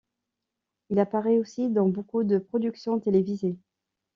Il apparaît aussi dans beaucoup de productions télévisées.